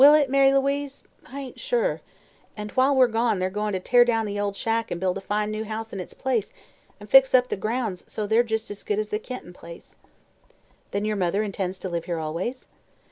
"Will it, Mary Louise? I ain't sure. And while we're gone they're goin' to tear down the old shack an' build a fine new house in its place, an' fix up the grounds so's they're just as good as the Kenton Place." "Then your mother intends to live here always?"